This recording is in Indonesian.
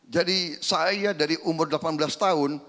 jadi saya dari umur delapan belas tahun